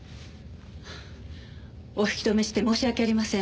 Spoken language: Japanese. お引き留めして申し訳ありません。